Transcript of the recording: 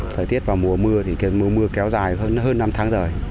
thời tiết vào mùa mưa thì cơn mưa kéo dài hơn năm tháng rồi